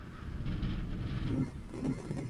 Habita en lugares rocosos y húmedos.